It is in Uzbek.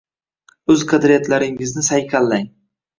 O’z qadriyatlaringizni sayqallang